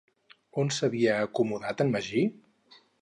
On s'havia acomodat en Magí?